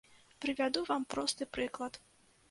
Прывяду вам просты прыклад.